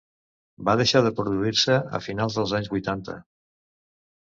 Va deixar de produir-se a finals dels anys vuitanta.